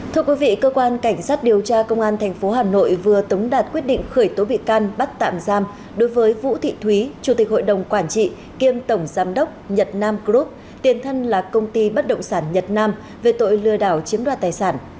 thưa quý vị cơ quan cảnh sát điều tra công an tp hà nội vừa tống đạt quyết định khởi tố bị can bắt tạm giam đối với vũ thị thúy chủ tịch hội đồng quản trị kiêm tổng giám đốc nhật nam group tiền thân là công ty bất động sản nhật nam về tội lừa đảo chiếm đoạt tài sản